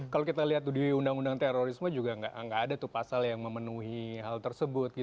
kalau kita lihat di undang undang terorisme juga nggak ada tuh pasal yang memenuhi hal tersebut